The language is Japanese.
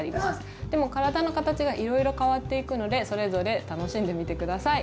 でも体の形がいろいろ変わっていくのでそれぞれ楽しんでみて下さい。